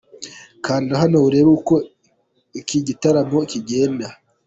Kanda hano urebe uko iki gitaramo kigenda.